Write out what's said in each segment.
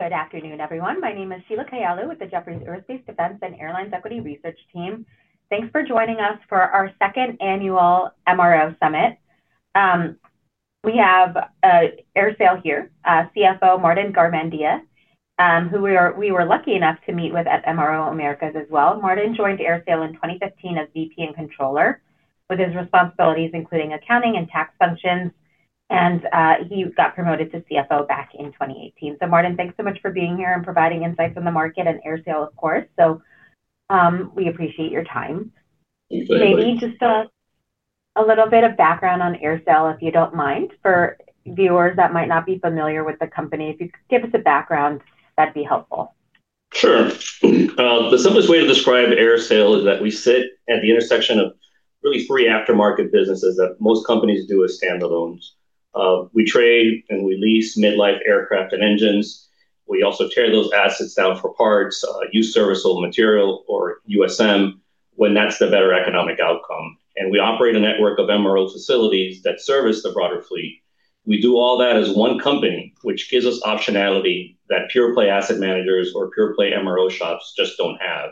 Good afternoon, everyone. My name is Sheila Kahyaoglu with the Jefferies Aerospace Defense and Airlines Equity Research team. Thanks for joining us for our second annual MRO Summit. We have AerSale here, CFO Martin Garmendia, who we were lucky enough to meet with at MRO Americas as well. Martin joined AerSale in 2015 as VP and controller, with his responsibilities including accounting and tax functions. He got promoted to CFO back in 2018. Martin, thanks so much for being here and providing insights on the market and AerSale, of course. We appreciate your time. Thanks very much. Maybe just a little bit of background on AerSale, if you don't mind, for viewers that might not be familiar with the company. If you could give us a background, that'd be helpful. Sure. The simplest way to describe AerSale is that we sit at the intersection of really three aftermarket businesses that most companies do as standalones. We trade and we lease mid-life aircraft and engines. We also tear those assets down for parts, used serviceable material, or USM, when that's the better economic outcome. We operate a network of MRO facilities that service the broader fleet. We do all that as one company, which gives us optionality that pure-play asset managers or pure-play MRO shops just don't have.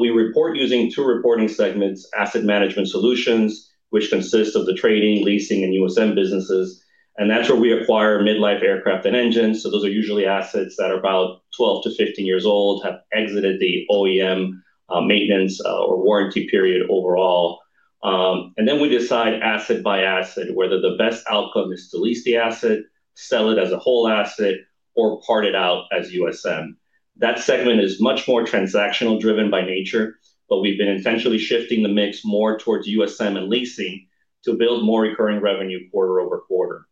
We report using two reporting segments, Asset Management Solutions, which consists of the trading, leasing, and USM businesses. That's where we acquire mid-life aircraft and engines. Those are usually assets that are about 12 -15 years old, have exited the OEM maintenance or warranty period overall. Then we decide asset by asset, whether the best outcome is to lease the asset, sell it as a whole asset, or part it out as USM. That segment is much more transactional-driven by nature, but we've been intentionally shifting the mix more towards USM and leasing to build more recurring revenue quarter-over-quarter.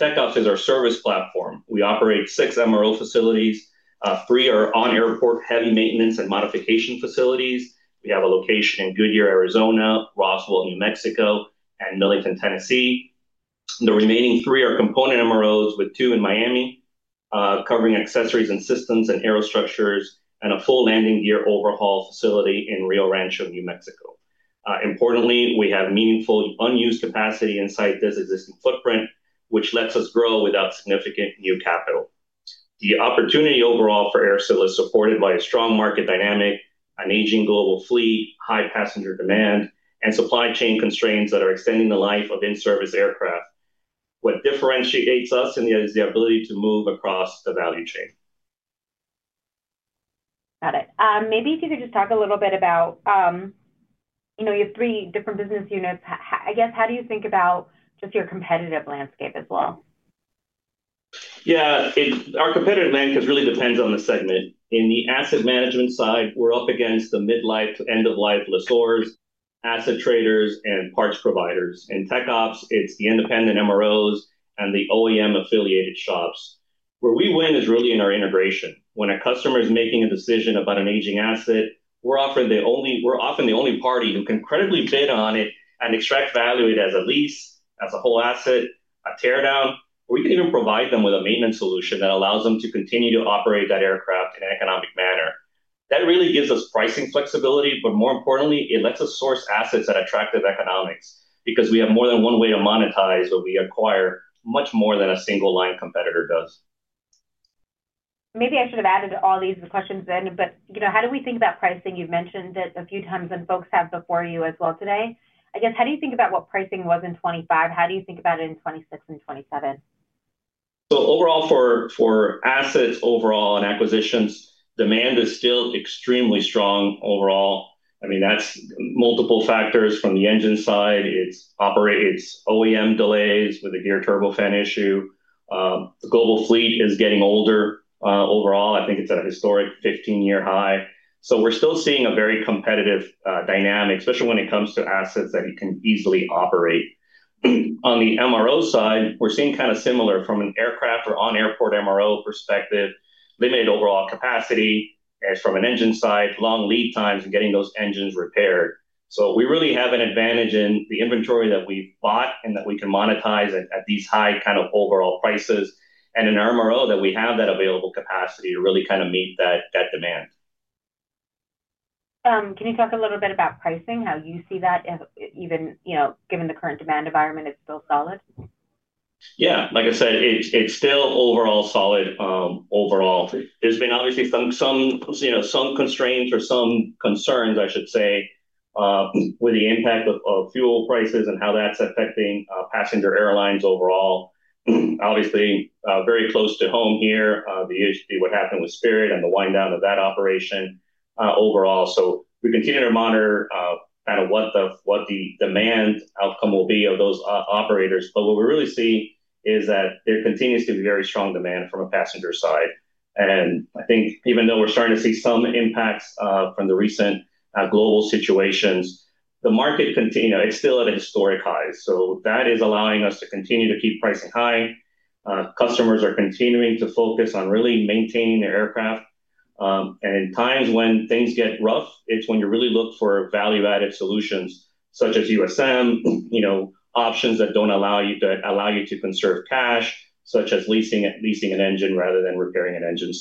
TechOps is our service platform. We operate 6 MRO facilities. Three are on-airport heavy maintenance and modification facilities. We have a location in Goodyear, Arizona, Roswell, New Mexico, and Millington, Tennessee. The remaining three are component MROs with two in Miami, covering accessories and systems and aerostructures, and a full landing gear overhaul facility in Rio Rancho, New Mexico. Importantly, we have meaningful unused capacity inside this existing footprint, which lets us grow without significant new capital. The opportunity overall for AerSale is supported by a strong market dynamic, an aging global fleet, high passenger demand, and supply chain constraints that are extending the life of in-service aircraft. What differentiates us is the ability to move across the value chain. Got it. Maybe if you could just talk a little bit about your three different business units. How do you think about just your competitive landscape as well? Yeah. Our competitive landscape really depends on the segment. In the Asset Management side, we're up against the mid-life to end-of-life lessors, asset traders, and parts providers. In TechOps, it's the independent MROs and the OEM-affiliated shops. Where we win is really in our integration. When a customer is making a decision about an aging asset, we're often the only party who can credibly bid on it and extract value it as a lease, as a whole asset, a tear down. We can even provide them with a maintenance solution that allows them to continue to operate that aircraft in an economic manner. That really gives us pricing flexibility, but more importantly, it lets us source assets at attractive economics because we have more than one way to monetize what we acquire, much more than a single-line competitor does. Maybe I should have added all these questions in. How do we think about pricing? You've mentioned it a few times, folks have before you as well today. How do you think about what pricing was in 2025? How do you think about it in 2026 and 2027? Overall, for assets overall and acquisitions, demand is still extremely strong overall. That's multiple factors from the engine side. It's OEM delays with the geared turbofan issue. The global fleet is getting older. Overall, I think it's at a historic 15-year high. We're still seeing a very competitive dynamic, especially when it comes to assets that you can easily operate. On the MRO side, we're seeing kind of similar from an aircraft or on-airport MRO perspective, limited overall capacity. As from an engine side, long lead times in getting those engines repaired. We really have an advantage in the inventory that we've bought and that we can monetize at these high overall prices, and in MRO, that we have that available capacity to really meet that demand. Can you talk a little bit about pricing, how you see that, even given the current demand environment, it's still solid? Yeah. Like I said, it's still overall solid overall. There's been obviously some constraints or some concerns, I should say, with the impact of fuel prices and how that's affecting passenger airlines overall. Obviously, very close to home here, the issue, what happened with Spirit Airlines and the wind down of that operation overall. We continue to monitor what the demand outcome will be of those operators. What we really see is that there continues to be very strong demand from a passenger side. I think even though we're starting to see some impacts from the recent global situations, the market is still at a historic high. That is allowing us to continue to keep pricing high. Customers are continuing to focus on really maintaining their aircraft. In times when things get rough, it's when you really look for value-added solutions such as USM, options that allow you to conserve cash, such as leasing an engine rather than repairing an engine.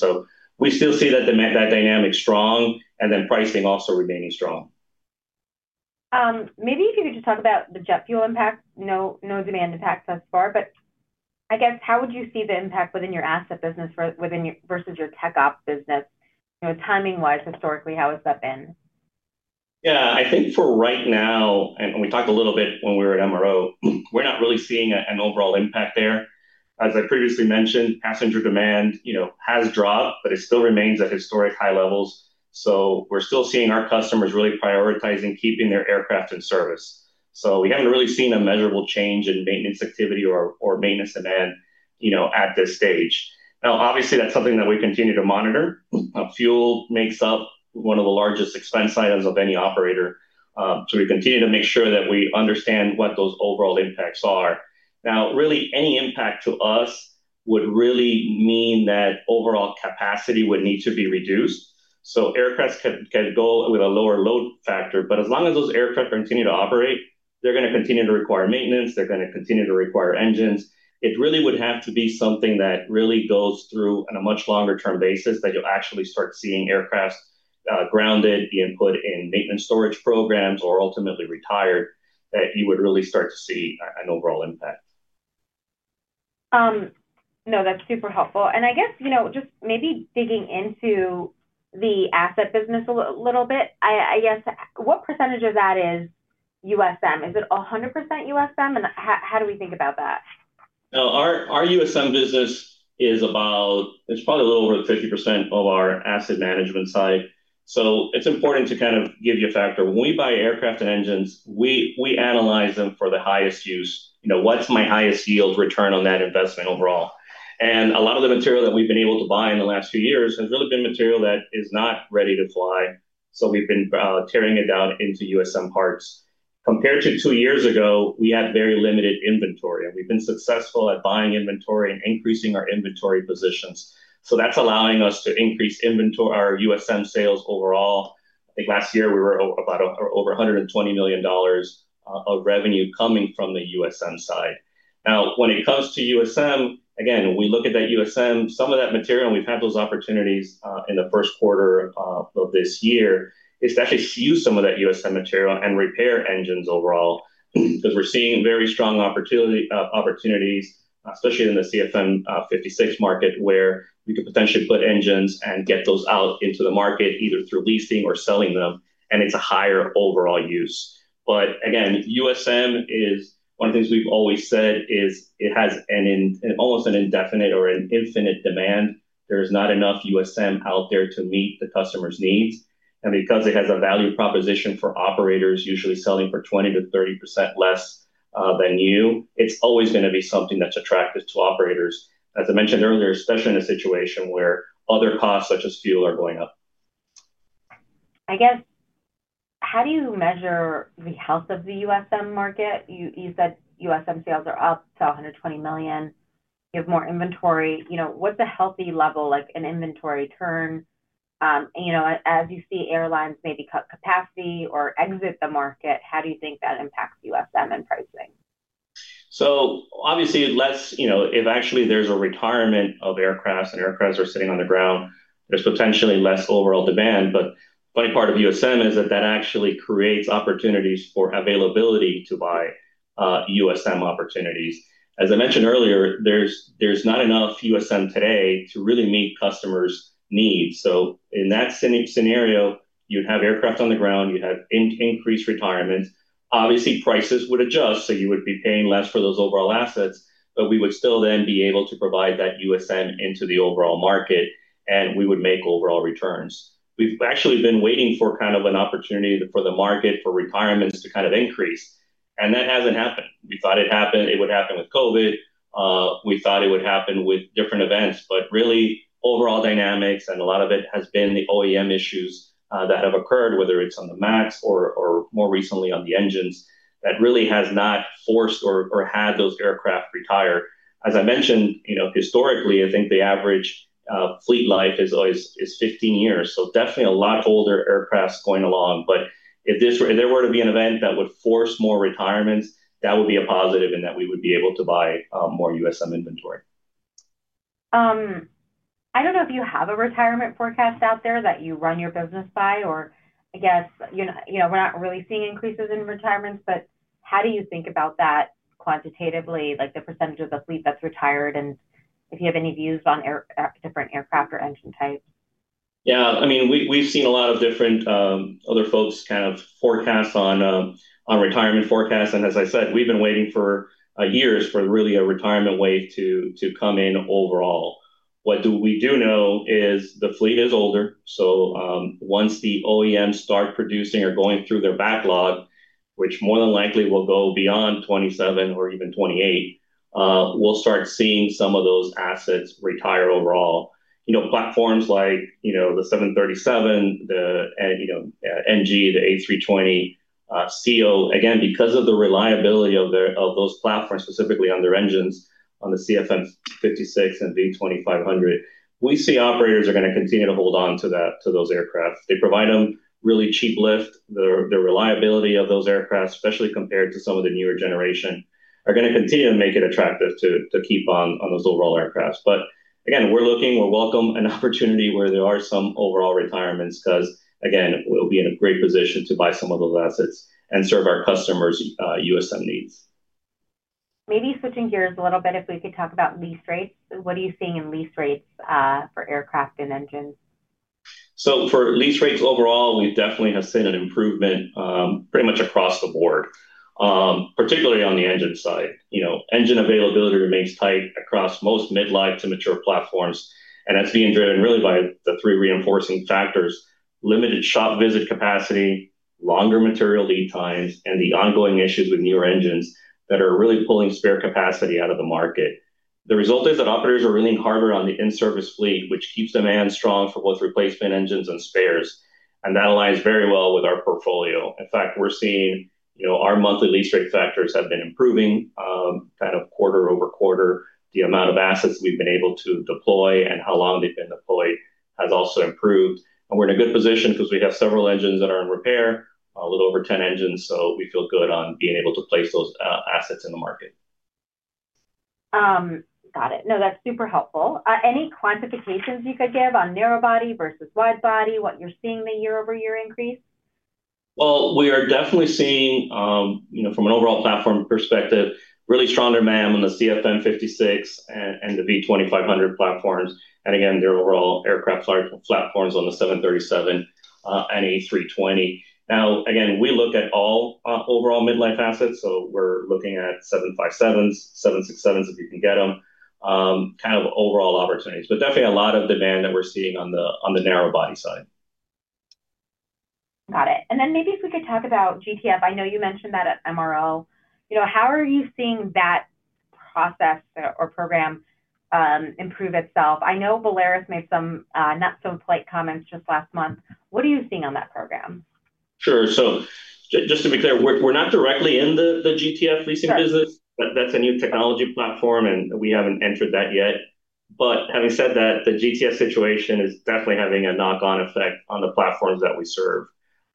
We still see that dynamic strong, pricing also remaining strong. Maybe if you could just talk about the jet fuel impact. No demand impact thus far, but I guess how would you see the impact within your asset business versus your TechOps business? Timing-wise, historically, how has that been? Yeah, I think for right now, and we talked a little bit when we were at MRO, we're not really seeing an overall impact there. As I previously mentioned, passenger demand has dropped, it still remains at historic high levels. We're still seeing our customers really prioritizing keeping their aircraft in service. We haven't really seen a measurable change in maintenance activity or maintenance demand at this stage. Obviously, that's something that we continue to monitor. Fuel makes up one of the largest expense items of any operator. We continue to make sure that we understand what those overall impacts are. Really any impact to us would really mean that overall capacity would need to be reduced. Aircraft can go with a lower load factor. As long as those aircraft continue to operate, they're going to continue to require maintenance. They're going to continue to require engines. It really would have to be something that really goes through on a much longer term basis that you'll actually start seeing aircraft grounded, being put in maintenance storage programs, or ultimately retired, that you would really start to see an overall impact. No, that's super helpful. I guess just maybe digging into the asset business a little bit. I guess, what percentage of that is USM? Is it 100% USM? How do we think about that? Our USM business is probably a little over 50% of our Asset Management side. It's important to give you a factor. When we buy aircraft and engines, we analyze them for the highest use. What's my highest yield return on that investment overall? A lot of the material that we've been able to buy in the last few years has really been material that is not ready to fly. We've been tearing it down into USM parts. Compared to two years ago, we had very limited inventory, and we've been successful at buying inventory and increasing our inventory positions. That's allowing us to increase our USM sales overall. I think last year we were about over $120 million of revenue coming from the USM side. When it comes to USM, again, we look at that USM, some of that material, and we've had those opportunities in the first quarter of this year, is to actually use some of that USM material and repair engines overall because we're seeing very strong opportunities, especially in the CFM56 market, where we could potentially put engines and get those out into the market, either through leasing or selling them, and it's a higher overall use. Again, USM is one of the things we've always said is it has almost an indefinite or an infinite demand. There's not enough USM out there to meet the customer's needs. Because it has a value proposition for operators usually selling for 20%-30% less than new, it's always going to be something that's attractive to operators. As I mentioned earlier, especially in a situation where other costs such as fuel are going up. I guess, how do you measure the health of the USM market? You said USM sales are up to $120 million. You have more inventory. What's a healthy level, like an inventory turn? As you see airlines maybe cut capacity or exit the market, how do you think that impacts USM and pricing? Obviously, if actually there's a retirement of aircraft and aircraft are sitting on the ground, there's potentially less overall demand. Funny part of USM is that that actually creates opportunities for availability to buy USM opportunities. As I mentioned earlier, there's not enough USM today to really meet customers' needs. In that scenario, you'd have aircraft on the ground. You'd have increased retirements. Obviously, prices would adjust, so you would be paying less for those overall assets, but we would still then be able to provide that USM into the overall market, and we would make overall returns. We've actually been waiting for an opportunity for the market for retirements to increase, and that hasn't happened. We thought it would happen with COVID. We thought it would happen with different events, but really overall dynamics, and a lot of it has been the OEM issues that have occurred, whether it's on the MAX or more recently on the engines that really has not forced or had those aircraft retire. As I mentioned, historically, I think the average fleet life is 15 years. Definitely a lot older aircraft going along. If there were to be an event that would force more retirements, that would be a positive and that we would be able to buy more USM inventory. I don't know if you have a retirement forecast out there that you run your business by, or I guess we're not really seeing increases in retirements, but how do you think about that quantitatively, like the percentage of the fleet that's retired and if you have any views on different aircraft or engine types? Yeah. We've seen a lot of different other folks kind of forecasts on retirement forecasts. As I said, we've been waiting for years for really a retirement wave to come in overall. What we do know is the fleet is older, so once the OEMs start producing or going through their backlog, which more than likely will go beyond 2027 or even 2028, we'll start seeing some of those assets retire overall. Platforms like the 737, the NG, the A320 ceo. Again, because of the reliability of those platforms, specifically on their engines on the CFM56 and V2500, we see operators are going to continue to hold on to those aircraft. They provide them really cheap lift. The reliability of those aircraft, especially compared to some of the newer generation, are going to continue to make it attractive to keep on those overall aircraft. Again, we welcome an opportunity where there are some overall retirements because, again, we'll be in a great position to buy some of those assets and serve our customers' USM needs. Maybe switching gears a little bit, if we could talk about lease rates. What are you seeing in lease rates for aircraft and engines? For lease rates overall, we definitely have seen an improvement pretty much across the board, particularly on the engine side. Engine availability remains tight across most mid-life to mature platforms, that's being driven really by the three reinforcing factors: limited shop visit capacity, longer material lead times, and the ongoing issues with newer engines that are really pulling spare capacity out of the market. The result is that operators are leaning harder on the in-service fleet, which keeps demand strong for both replacement engines and spares. That aligns very well with our portfolio. In fact, we're seeing our monthly lease rate factors have been improving quarter-over-quarter. The amount of assets we've been able to deploy and how long they've been deployed has also improved. We're in a good position because we have several engines that are in repair, a little over 10 engines, so we feel good on being able to place those assets in the market. Got it. No, that's super helpful. Any quantifications you could give on narrow body versus wide body, what you're seeing the year-over-year increase? Well, we are definitely seeing from an overall platform perspective, really strong demand on the CFM56 and the V2500 platforms. Again, the overall aircraft platforms on the 737 and A320. Now, again, we look at all overall mid-life assets. We're looking at 757s, 767s, if you can get them, kind of overall opportunities. Definitely a lot of demand that we're seeing on the narrow body side. Got it. Maybe if we could talk about GTF. I know you mentioned that at MRO. How are you seeing that process or program improve itself? I know Volaris made some not-so-polite comments just last month. What are you seeing on that program? Sure. Just to be clear, we're not directly in the GTF leasing business. That's a new technology platform, and we haven't entered that yet. Having said that, the GTF situation is definitely having a knock-on effect on the platforms that we serve.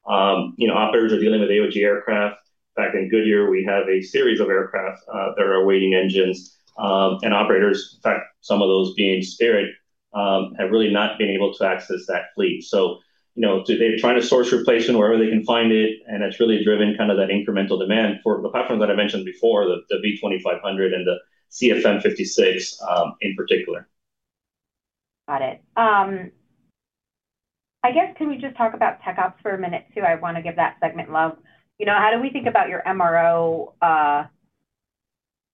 Operators are dealing with AOG aircraft. Back in Goodyear, we have a series of aircraft that are awaiting engines. Operators, in fact, some of those being Spirit, have really not been able to access that fleet. They're trying to source replacement wherever they can find it, and that's really driven that incremental demand for the platforms that I mentioned before, the V2500 and the CFM56 in particular. Got it. I guess, can we just talk about TechOps for a minute, too? I want to give that segment love. How do we think about your MRO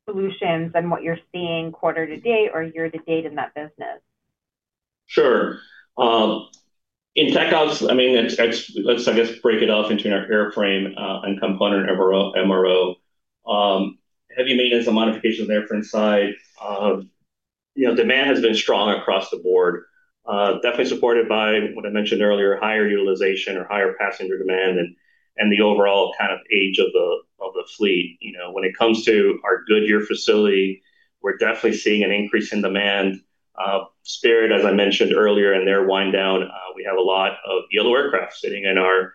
solutions and what you're seeing quarter to date or year to date in that business? Sure. In TechOps, let's break it off into our airframe and component MRO. Heavy maintenance and modifications airframe side, demand has been strong across the board. Definitely supported by what I mentioned earlier, higher utilization or higher passenger demand and the overall age of the fleet. When it comes to our Goodyear facility, we're definitely seeing an increase in demand. Spirit, as I mentioned earlier, in their wind down, we have a lot of yellow aircraft sitting in our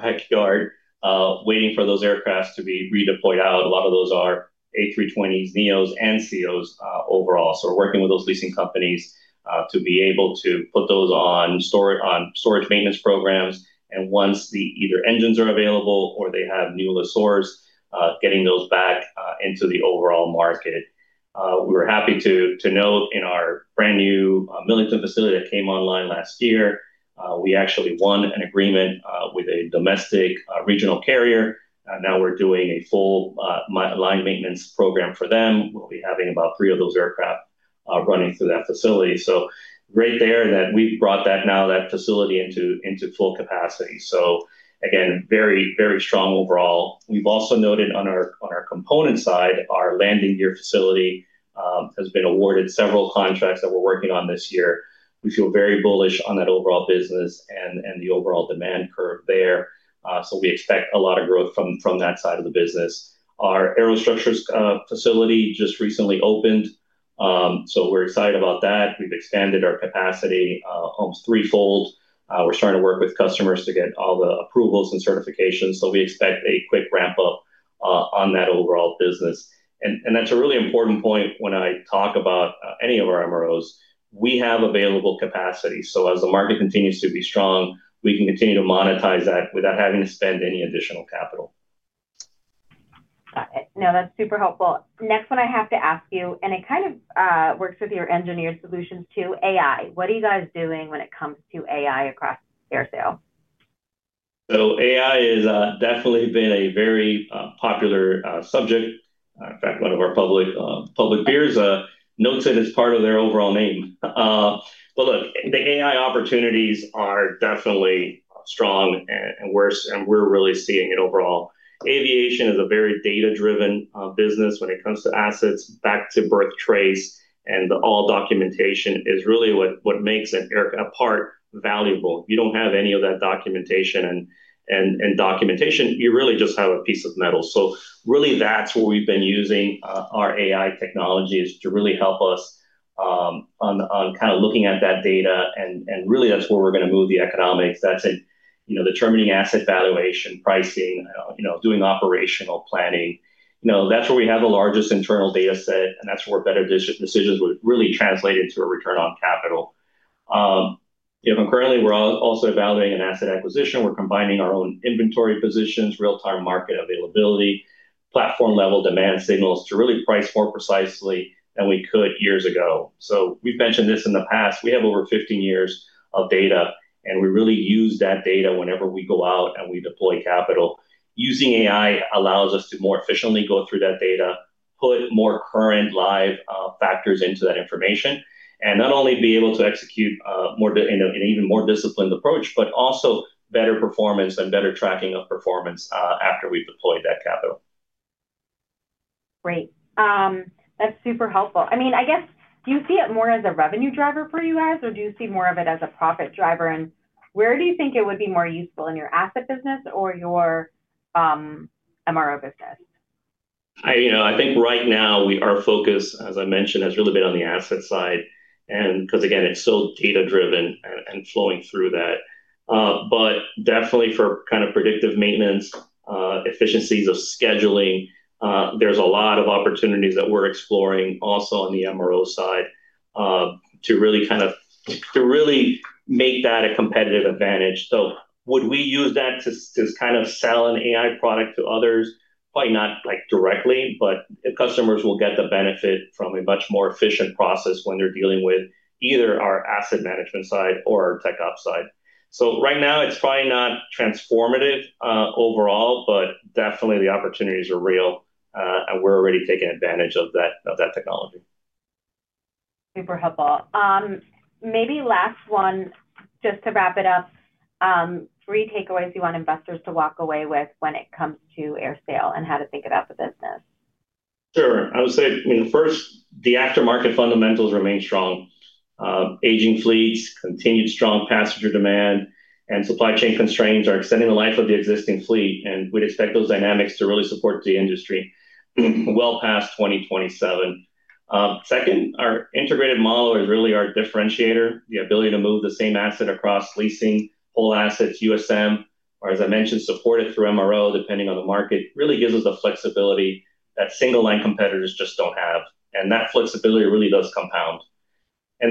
backyard waiting for those aircraft to be redeployed out. A lot of those are A320s, NEOs, and CEOs overall. We're working with those leasing companies to be able to put those on storage maintenance programs. Once the either engines are available or they have new lessors, getting those back into the overall market. We're happy to note in our brand new Millington facility that came online last year, we actually won an agreement with a domestic regional carrier. We're doing a full line maintenance program for them. We'll be having about three of those aircraft running through that facility. Right there, we've brought now that facility into full capacity. Again, very strong overall. We've also noted on our component side, our landing gear facility has been awarded several contracts that we're working on this year. We feel very bullish on that overall business and the overall demand curve there. We expect a lot of growth from that side of the business. Our aerostructures facility just recently opened, so we're excited about that. We've expanded our capacity almost threefold. We're starting to work with customers to get all the approvals and certifications, so we expect a quick ramp-up on that overall business. That's a really important point when I talk about any of our MROs. We have available capacity, so as the market continues to be strong, we can continue to monetize that without having to spend any additional capital. Got it. No, that's super helpful. Next one I have to ask you, and it kind of works with your Engineered Solutions too, AI. What are you guys doing when it comes to AI across AerSale? AI has definitely been a very popular subject. In fact, one of our public peers notes it as part of their overall name. Look, the AI opportunities are definitely strong and we're really seeing it overall. Aviation is a very data-driven business when it comes to assets back-to-birth trace and all documentation is really what makes a part valuable. If you don't have any of that documentation, you really just have a piece of metal. Really that's where we've been using our AI technologies to really help us on looking at that data, and really that's where we're going to move the economics. That's in determining asset valuation, pricing, doing operational planning. That's where we have the largest internal data set, and that's where better decisions would really translate into a return on capital. And currently we're also evaluating an asset acquisition. We're combining our own inventory positions, real-time market availability, platform-level demand signals to really price more precisely than we could years ago. We've mentioned this in the past. We have over 15 years of data, and we really use that data whenever we go out and we deploy capital. Using AI allows us to more efficiently go through that data, put more current live factors into that information, and not only be able to execute an even more disciplined approach, but also better performance and better tracking of performance after we've deployed that capital. Great. That's super helpful. I guess, do you see it more as a revenue driver for you guys, or do you see more of it as a profit driver? Where do you think it would be more useful, in your Asset business or your MRO business? I think right now our focus, as I mentioned, has really been on the asset side, and because, again, it's so data-driven and flowing through that. Definitely for predictive maintenance, efficiencies of scheduling, there's a lot of opportunities that we're exploring also on the MRO side to really make that a competitive advantage. Would we use that to sell an AI product to others? Probably not directly, but customers will get the benefit from a much more efficient process when they're dealing with either our Asset Management Solutions side or our TechOps side. Right now it's probably not transformative overall, but definitely the opportunities are real. We're already taking advantage of that technology. Super helpful. Maybe last one just to wrap it up, three takeaways you want investors to walk away with when it comes to AerSale and how to think about the business. Sure. I would say, first, the aftermarket fundamentals remain strong. Aging fleets, continued strong passenger demand, and supply chain constraints are extending the life of the existing fleet, and we'd expect those dynamics to really support the industry well past 2027. Second, our integrated model is really our differentiator. The ability to move the same asset across leasing whole assets, USM, or, as I mentioned, supported through MRO, depending on the market, really gives us a flexibility that single-line competitors just don't have. That flexibility really does compound.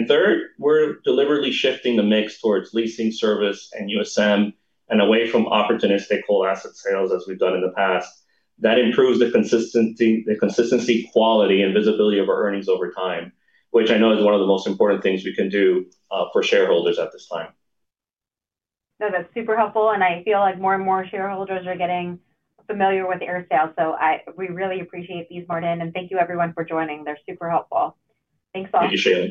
Third, we're deliberately shifting the mix towards leasing service and USM and away from opportunistic whole asset sales as we've done in the past. That improves the consistency, quality, and visibility of our earnings over time, which I know is one of the most important things we can do for shareholders at this time. No, that's super helpful, and I feel like more and more shareholders are getting familiar with AerSale, so we really appreciate these, Martin Garmendia, and thank you everyone for joining. They're super helpful. Thanks a lot.